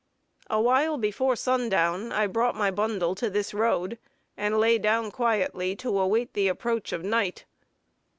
Awhile before sundown, I brought my bundle to this road, and lay down quietly to await the approach of night.